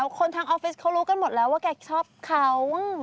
คนทางออฟฟิศเขารู้กันหมดแล้วว่าแกชอบเขา